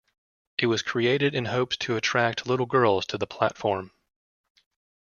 It was created in hopes to attract little girls to the platform.